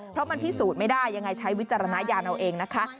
เพราะมันพิสูจน์ไม่ได้ยังไงใช้วิจารณญาณเอาเองนะคะ